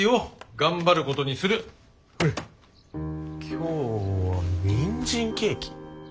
今日はにんじんケーキ？